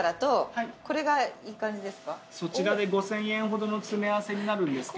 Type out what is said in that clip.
そちらで５，０００円ほどの詰め合わせになるんですが。